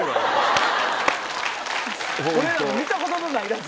俺らの見たことのないやつ。